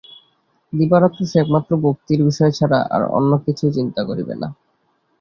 দিবারাত্র সে একমাত্র ভক্তির বিষয় ছাড়া আর অন্য কিছুই চিন্তা করিবে না।